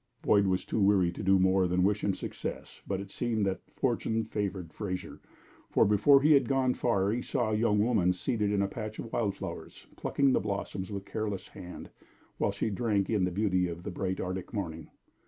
Boyd was too weary to do more than wish him success, but it seemed that fortune favored Fraser, for before he had gone far he saw a young woman seated in a patch of wild flowers, plucking the blooms with careless hand while she drank in the beauty of the bright Arctic morning.